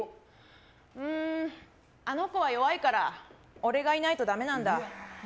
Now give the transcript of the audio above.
うーん、あの子は弱いから俺がいないとダメなんだ。